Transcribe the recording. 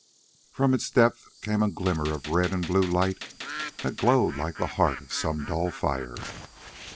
From its depths came a glimmer of red and blue light that glowed like the heart of some dull fire.